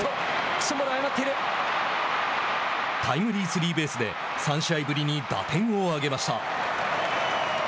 タイムリースリーベースで３試合ぶりに打点を挙げました。